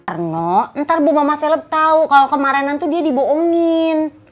warno ntar bu mama seleb tau kalo kemarinan tuh dia diboongin